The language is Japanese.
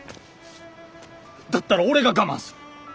だったら俺が我慢する。